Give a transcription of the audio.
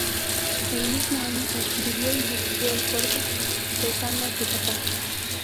El mismo año escribió y dirigió el corto "Besando a tu papá".